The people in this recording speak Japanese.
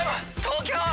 東京！